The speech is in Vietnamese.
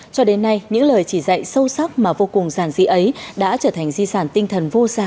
cho đến nay những lời chỉ dạy sâu sắc mà vô cùng giản dị ấy đã trở thành di sản tinh thần vô giá